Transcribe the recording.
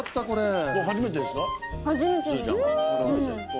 これ。